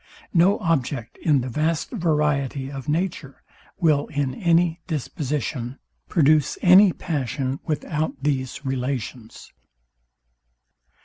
No object, in the vast variety of nature, will, in any disposition, produce any passion without these relations.